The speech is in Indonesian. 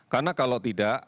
karena kalau tidak